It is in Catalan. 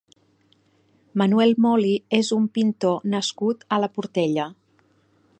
Manuel Moli és un pintor nascut a la Portella.